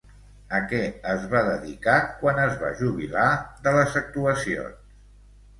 A què es va dedicar quan es va jubilar de les actuacions?